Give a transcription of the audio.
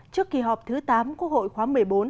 trước kỳ họp thứ tám quốc hội khóa một mươi bốn